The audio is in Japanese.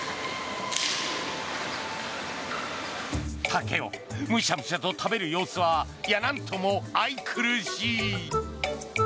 竹をむしゃむしゃと食べる様子はなんとも愛くるしい。